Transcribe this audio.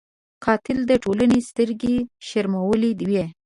قاتل د ټولنې سترګې شرمولی وي